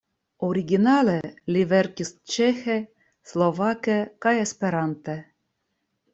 Originale li verkis ĉeĥe, slovake kaj esperante.